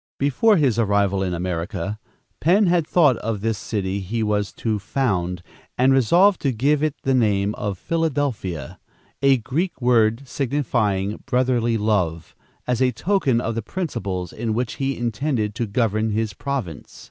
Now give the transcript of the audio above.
Before his arrival in America, Penn had thought of this city he was to found, and resolved to give it the name of Philadelphia a Greek word signifying brotherly love as a token of the principles in which he intended to govern his province.